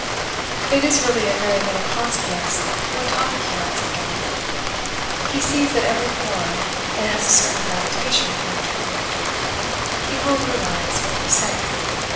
It is really of very little consequence what topic he writes upon. He sees at every pore, and has a certain gravitation toward truth. He will realize what you say.